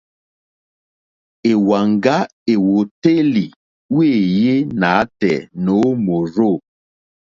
Èwàŋgá èwòtélì wéèyé nǎtɛ̀ɛ̀ nǒ mòrzô.